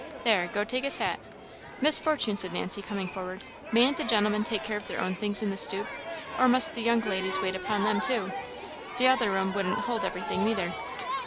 There go take his hat. Miss Fortune," said Nancy, coming forward, "mayn't the gentlemen take care of their own things in the stoop, or must the young ladies wait upon them, too? t'other room won't hold everything neither."